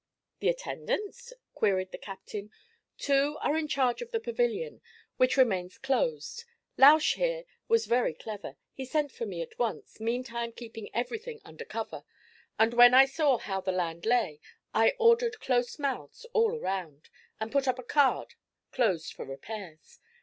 'The attendants?' queried the captain. 'Two are in charge of the pavilion, which remains closed. Lausch here was very clever; he sent for me at once, meantime keeping everything under cover; and when I saw how the land lay, I ordered close mouths all around, and put up a card "Closed for repairs."